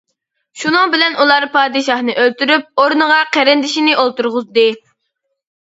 شۇنىڭ بىلەن ئۇلار پادىشاھنى ئۆلتۈرۈپ، ئورنىغا قېرىندىشىنى ئولتۇرغۇزدى.